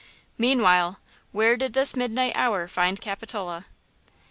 Meanwhile, where did this midnight hour find Capitola?